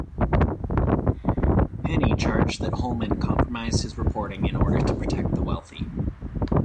Heney charged that Holman compromised his reporting in order to protect the wealthy.